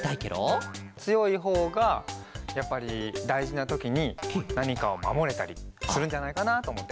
つよいほうがやっぱりだいじなときになにかをまもれたりするんじゃないかなとおもって。